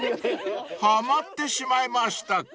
［はまってしまいましたか］